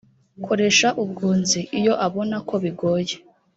koresha ubwunzi iyo abona ko bigoye